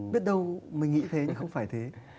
biết đâu mình nghĩ thế nhưng không phải thế